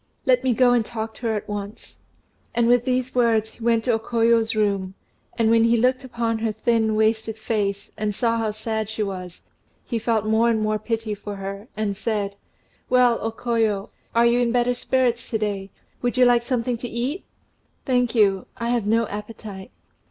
Let me go and talk to her at once." And with these words, he went to O Koyo's room; and when he looked upon her thin wasted face, and saw how sad she was, he felt more and more pity for her, and said, "Well, O Koyo, are you in better spirits to day? Would you like something to eat?" "Thank you, I have no appetite."